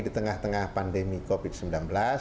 di tengah tengah pandemi covid sembilan belas